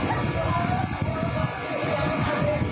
ก็เพื่อนมาก